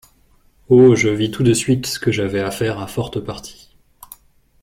Oh ! je vis tout de suite que j’avais affaire à forte partie…